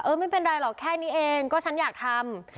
ไม่เป็นไรหรอกแค่นี้เองก็ฉันอยากทำ